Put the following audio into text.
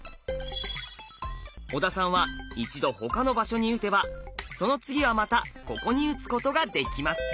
小田さんは一度他の場所に打てばその次はまたここに打つことができます。